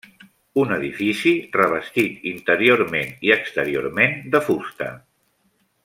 Un edifici revestit interiorment i exteriorment de fusta.